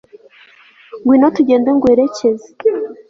ngwino tugende nguherekeze